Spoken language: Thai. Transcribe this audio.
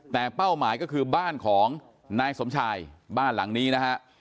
แต่เป้าหมายก็คือบ้านของนายสมชายบ้านหลังนี้นะฮะ